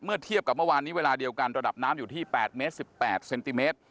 เทียบกับเมื่อวานนี้เวลาเดียวกันระดับน้ำอยู่ที่๘เมตร๑๘เซนติเมตร